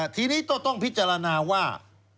ทีนี้ก็ต้องพิจารณาว่า